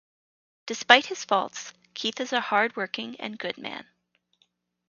Despite his faults, Keith is a hard-working and good man.